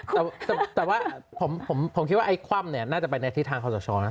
แต่ว่าผมคิดว่าไอ้คว่ำเนี่ยน่าจะไปในทิศทางคอสชนะ